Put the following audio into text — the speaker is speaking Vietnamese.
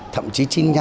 thậm chí chín mươi năm